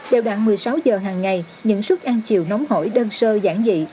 đều đặn một mươi sáu giờ hằng ngày những suất ăn chiều nóng hổi đơn sơ giãn dị